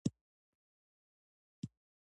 سمندر نه شتون د افغانستان د موسم د بدلون سبب کېږي.